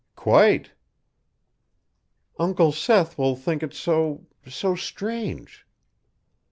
"Quite." "Uncle Seth will think it so so strange."